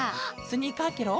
スニーカーケロ？